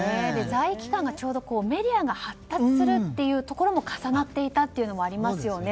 在位期間がちょうどメディアが発達するというところも重なっていたというのもありますよね。